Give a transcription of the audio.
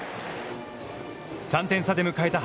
３点差で迎えた